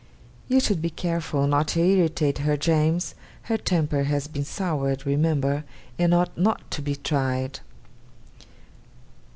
'You should be careful not to irritate her, James. Her temper has been soured, remember, and ought not to be tried.